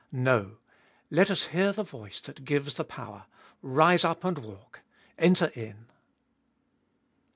No, let us hear the voice that gives the power: Rise up and walk. Enter in.